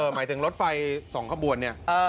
หมายถึงรถไฟ๒ขบวนเนี่ย